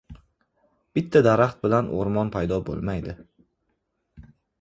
• Bitta daraxt bilan o‘rmon paydo bo‘lmaydi.